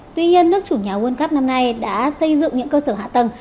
tuy nhiên nước chủ nhà world cup năm nay đã xây dựng những cơ sở hạ tầng